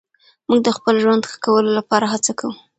موږ د خپل ژوند ښه کولو لپاره هڅه کوو.